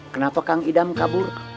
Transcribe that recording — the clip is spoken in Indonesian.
kenapa kang idam kabur